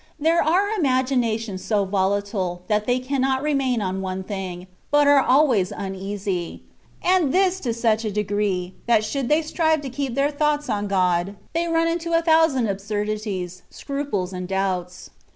There are imaginations so volatile, that they cannot remain on one thing, but are always uneasy; and this to such a degree, that should they strive to keep their thoughts on God, they run into a thousand absurdities, scruples, and doubts.